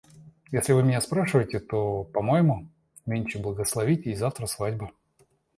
Если вы меня спрашиваете, то, по моему, нынче благословить и завтра свадьба.